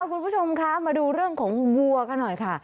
คุณผู้ชมคะมาดูเรื่องของวัวกันหน่อยค่ะ